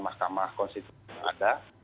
mahkamah konstitusi yang ada